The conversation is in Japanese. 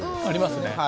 ありますね。